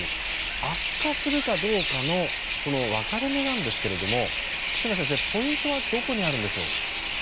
悪化するかどうかの分かれ目なんですけれども忽那先生、ポイントはどこにあるのでしょうか。